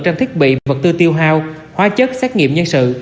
trang thiết bị vật tư tiêu hao hóa chất xét nghiệm nhân sự